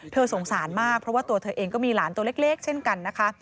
สงสารมากเพราะว่าตัวเธอเองก็มีหลานตัวเล็กเช่นกันนะคะ